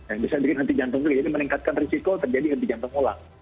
yang bisa jadi henti jantung sendiri jadi meningkatkan risiko terjadi henti jantung ulang